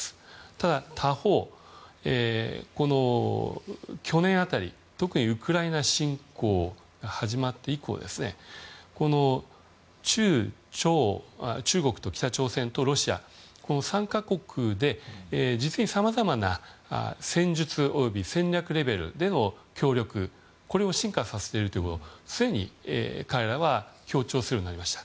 ただ他方、去年辺り特にウクライナ侵攻が始まって以降中国と北朝鮮とロシアの３か国で実にさまざまな戦術および戦略レベルでの協力を進化させているということを彼らは強調するようになりました。